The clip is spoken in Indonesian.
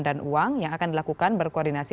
dan uang yang akan dilakukan berkoordinasi